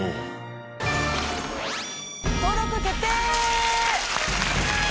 登録決定！